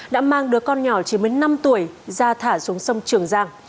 đã mang đứa con nhỏ chỉ mới năm tuổi ra thả xuống sông trường giang